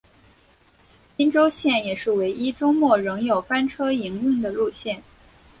宾州线也是唯一周末仍有班车营运的路线。